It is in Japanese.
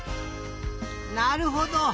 なるほど！